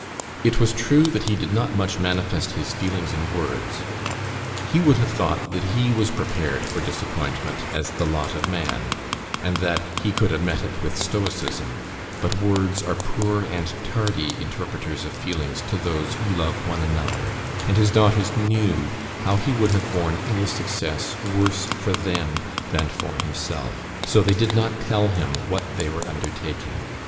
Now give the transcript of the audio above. It was true he did not much manifest his feelings in words; he would have thought that he was prepared for disappointment as the lot of man, and that he could have met it with stoicism; but words are poor and tardy interpreters of feelings to those who love one another, and his daughters knew how he would have borne ill success worse for them than for himself. So they did not tell him what they were undertaking.